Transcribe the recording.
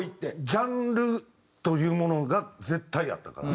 ジャンルというものが絶対やったから。